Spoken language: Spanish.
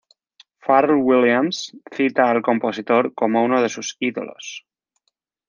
Pharrell Williams cita al compositor como uno de sus ídolos.